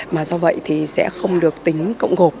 mà do vậy thì sẽ không được tính cộng gộp